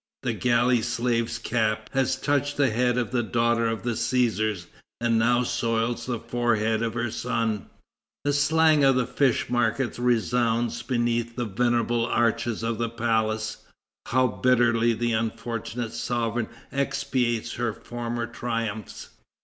The galley slave's cap has touched the head of the daughter of Cæsars, and now soils the forehead of her son! The slang of the fish markets resounds beneath the venerable arches of the palace. How bitterly the unfortunate sovereign expiates her former triumphs!